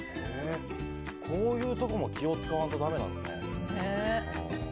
こういうのも気を使わないとだめなんですね。